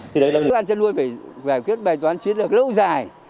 thức ăn chăn nuôi phải kết bài toán chiến lược lâu dài